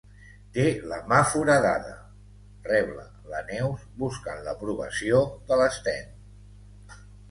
Té la mà foradada —rebla la Neus, buscant l'aprovació de l'Sten.